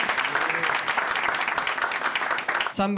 ３番。